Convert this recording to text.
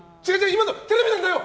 今のはテレビなんだよ！